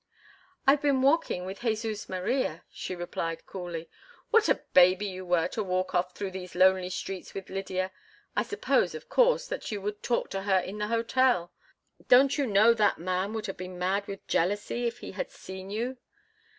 "I've been walking with Jesus Maria," she replied, coolly. "What a baby you were to walk off through these lonely streets with Lydia! I supposed, of course, that you would talk to her in the hotel. Don't you know that man would have been mad with jealousy if he had seen you?